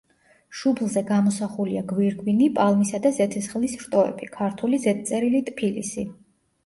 შუბლზე გამოსახულია გვირგვინი, პალმისა და ზეთისხილის რტოები, ქართული ზედწერილი „ტფილისი“.